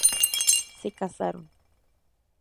Se casaron.